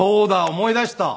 思い出した。